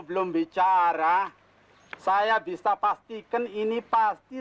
sekarang biarkan pasir